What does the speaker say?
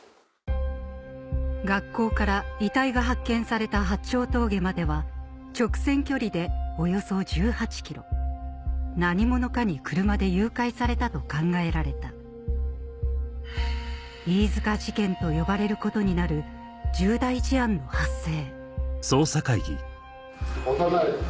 学校から遺体が発見された八丁峠までは直線距離でおよそ１８ｋｍ何者かに車で誘拐されたと考えられた飯塚事件と呼ばれることになる重大事案の発生